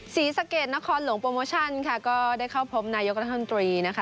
ศรีสะเกดนครหลวงโปรโมชั่นค่ะก็ได้เข้าพบนายกรัฐมนตรีนะคะ